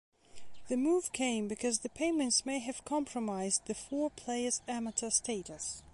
The move came because the payments may have compromised the four players' amateur status.